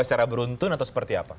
secara beruntun atau seperti apa